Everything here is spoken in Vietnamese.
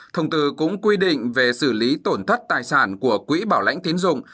thông tư cũng quy định về xử lý tổn thất tài sản của quỹ bảo lãnh tiến dụng